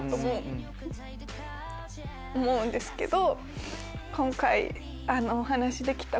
思うんですけど。